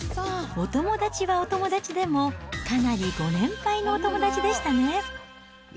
お友達はお友達でも、かなりご年配のお友達でしたね。